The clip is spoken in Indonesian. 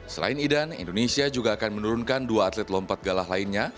selain idan indonesia juga akan menurunkan dua atlet lompat galah lainnya